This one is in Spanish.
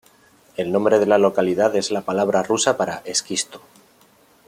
El nombre de la localidad es la palabra rusa para "esquisto".